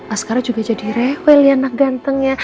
askara juga jadi rewel ya anak gantengnya